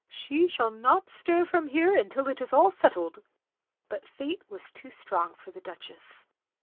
"She shall not stir from here tmtil it is all settled. " But fate was too strong for the Duchess.